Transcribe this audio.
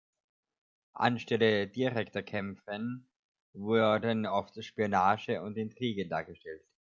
Anstelle direkter Kämpfen wurden oft Spionage und Intrigen dargestellt.